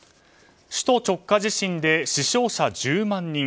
首都直下地震で死傷者１０万人。